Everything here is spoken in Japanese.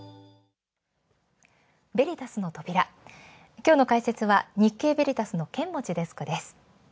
きょうの解説は日経ヴェリタスの剣持デスクです。